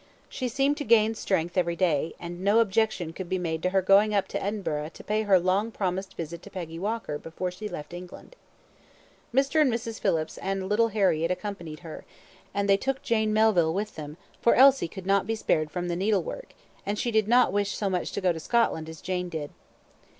She seemed to gain strength every day, and no objection could be made to her going up to Edinburgh to pay her long promised visit to Peggy Walker before she left England. Mr. and Mrs. Phillips and little Harriett accompanied her, and they took Jane Melville with them, for Elsie could not be spared from the needlework, and she did not wish so much to go to Scotland as Jane did.